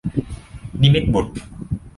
นิมิตรบุตร